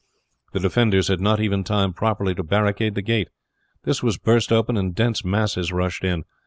The defenders had not even time properly to barricade the gate. This was burst open and dense masses rushed in.